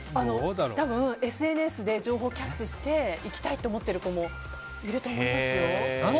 多分、ＳＮＳで情報をキャッチして行きたいと思っている子もいると思います。